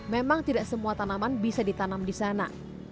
memang tidak semua tanaman bisa ditanam di sana